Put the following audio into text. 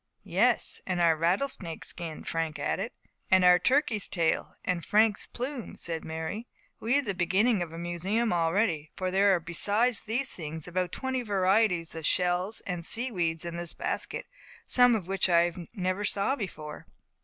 "Yes; and our rattlesnake's skin," Frank added. "And our turkey's tail, and Frank's plume," said Mary. "We have the beginning of a museum already; for there are besides these things about twenty varieties of shells and sea weeds in this basket, some of which I never saw before."